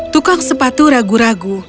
tukang sepatu ragu ragu